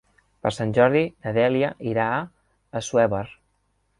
Per Sant Jordi na Dèlia irà a Assuévar.